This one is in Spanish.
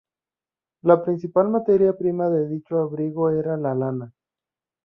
La principal materia prima de dicho abrigo era la lana.